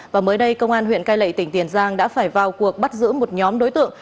và mới đây công an huyện cai lệ tỉnh tiền giang đã phải vào cuộc bắt giữ một nhóm đối tượng